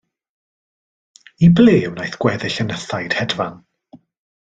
I ble wnaeth gweddill y nythaid hedfan?